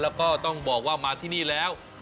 แล้วก็ต้องบอกว่ามาที่นี่แล้ว